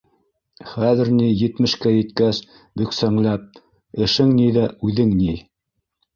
Хәҙер ни, етмешкә еткәс, бөксәңләп, эшең ни ҙә, үҙең ни.